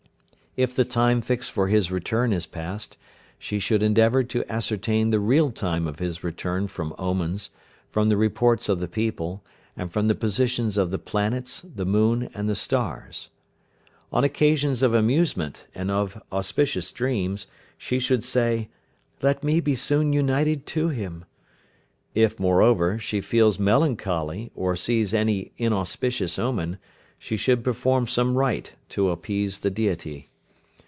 If the time fixed for his return has passed, she should endeavour to ascertain the real time of his return from omens, from the reports of the people, and from the positions of the planets, the moon and the stars. On occasions of amusement, and of auspicious dreams, she should say "Let me be soon united to him." If, moreover, she feels melancholy, or sees any inauspicious omen, she should perform some rite to appease the Deity.